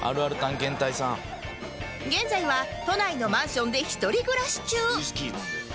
現在は都内のマンションで一人暮らし中